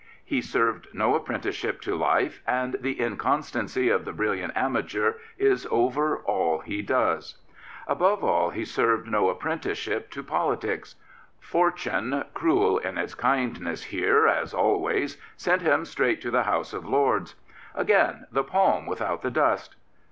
He served no apprenticeship to life, and the inconstancy of the brilliant amateur is over all he does. Above all, he i8o Lord Rosebery served no apprenticeship to politics. Fortune, cruel in its kindness here as always, sent him straight to the House of Lords. Again, the palm without the dust.